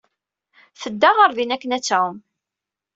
Tedda ɣer din akken ad tɛum.